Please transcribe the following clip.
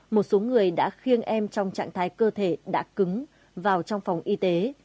một số người đã khiêng em trong trạng thái cơ thể đã cứng vào trong phòng y tế